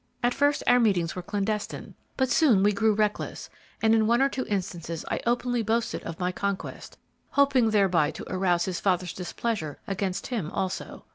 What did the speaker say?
At first, our meetings were clandestine; but we soon grew reckless, and in one or two instances I openly boasted of my conquest, hoping thereby to arouse his father's displeasure against him also.